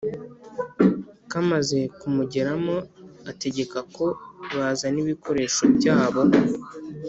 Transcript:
Kamaze kumugeramo ategeka ko bazana ibikoresho byabo